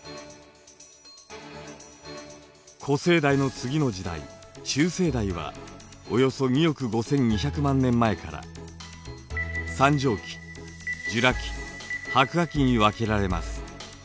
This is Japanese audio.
古生代の次の時代中生代はおよそ２億５，２００万年前から三畳紀ジュラ紀白亜紀に分けられます。